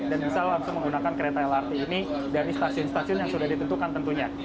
dan bisa langsung menggunakan kereta lrt ini dari stasiun stasiun yang sudah ditentukan tentunya